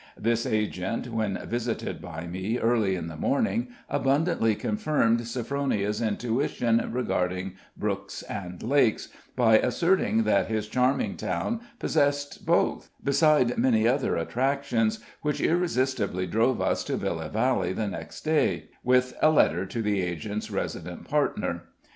This agent, when visited by me early in the morning, abundantly confirmed Sophronia's intuition regarding brooks and lakes, by asserting that his charming town possessed both, beside many other attractions, which irresistibly drove us to Villa Valley the next day, with a letter to the agent's resident partner.